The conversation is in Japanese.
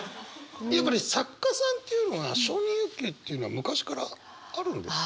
やっぱり作家さんっていうのは承認欲求っていうのは昔からあるんですか？